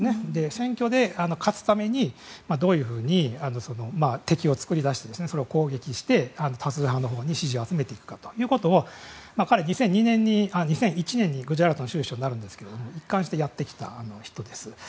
選挙で勝つためにどういうふうに敵を作り出してそれを攻撃して、多数派のほうに支持を集めていくかということを彼、２００１年にグジャラートの党首になるんですが一貫してやってきたんです。